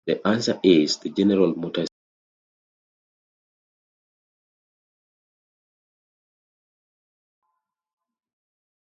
The answer is: the General Motors system.